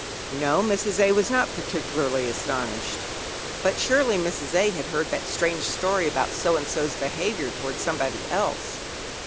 No, Mrs. A. was not particularly astonished. But surely Mrs. A. had heard that strange story about so and so's behaviour towards somebody else?